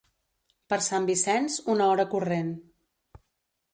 Per Sant Vicenç, una hora corrent.